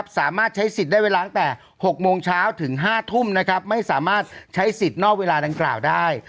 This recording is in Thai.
สามารถใช้สิทธิ์ได้เวลาตั้งแต่๖โมงเช้าถึง๕ทุ่มไม่สามารถใช้สิทธิ์นอกเวลาดังกล่าวได้